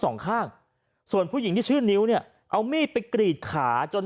ก็ได้พลังเท่าไหร่ครับ